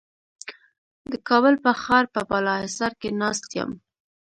د کابل په ښار په بالاحصار کې ناست یم.